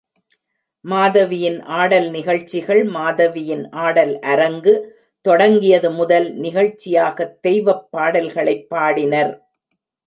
மாதவியின் ஆடல் நிகழ்ச்சிகள் மாதவியின் ஆடல் அரங்கு தொடங்கியது முதல் நிகழ்ச்சியாகத் தெய்வப் பாடல்களைப் பாடினர்.